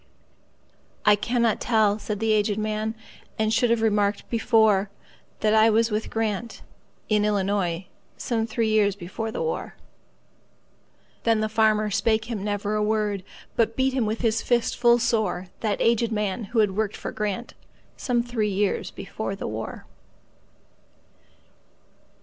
"I cannot tell," said the aged man,"And should have remarked before, That I was with Grant,—in Illinois,—Some three years before the war."Then the farmer spake him never a word, But beat with his fist full soreThat aged man, who had worked for GrantSome three years before the war.